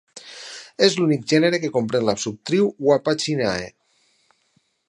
És l'únic gènere que comprèn la subtribu Uapacinae.